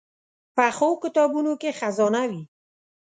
پخو کتابونو کې خزانه وي